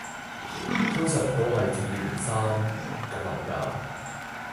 通常都係接二連三咁撚㗎